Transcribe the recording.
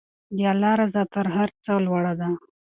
د الله رضا تر هر څه لوړه ده.